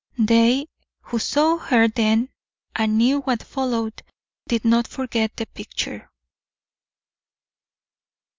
They who saw her then, and knew what followed, did not forget the picture.